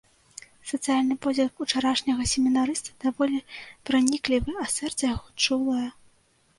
Сацыяльны позірк учарашняга семінарыста даволі праніклівы, а сэрца яго чулае.